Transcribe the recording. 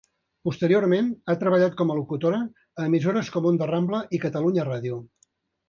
Posteriorment ha treballat com a locutora a emissores com Onda Rambla i Catalunya Ràdio.